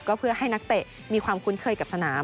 ก็เพื่อให้นักเตะมีความคุ้นเคยกับสนาม